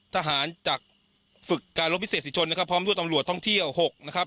ทหารจากฝึกการรบพิเศษศรีชนนะครับพร้อมด้วยตำรวจท่องเที่ยว๖นะครับ